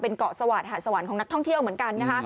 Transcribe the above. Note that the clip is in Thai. เป็นเกาะสวรรค์หาดสวรรค์ของนักท่องเที่ยวเหมือนกัน